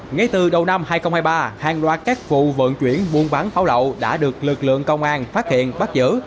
ngay từ đầu năm hai nghìn hai mươi ba hàng loạt các vụ vận chuyển buôn bán pháo lậu đã được lực lượng công an phát hiện bắt giữ